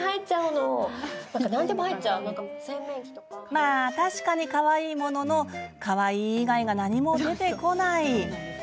まあ確かに、かわいいもののかわいい以外は何も出てこない。